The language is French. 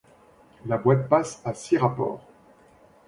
La boîte passe à six rapports.